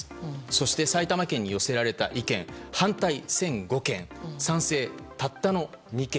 そして埼玉県に寄せられた意見は反対が１００５件賛成、たったの２件。